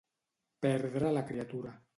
Perdre la criatura.